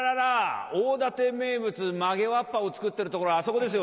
大館名物曲げわっぱを作ってる所はあそこですよ